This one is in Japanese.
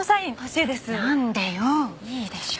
いいでしょ！